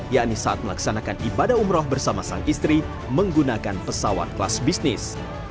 yakni saat melaksanakan ibadah umroh bersama sang istri menggunakan pesawat kelas bisnis